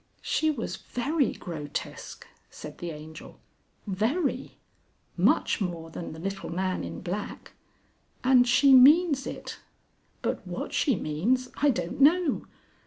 "She was very grotesque!" said the Angel. "Very. Much more than the little man in black. And she means it. But what she means I don't know!..."